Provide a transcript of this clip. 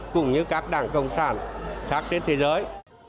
cũng như các đảng cộng sản khác trên thế giới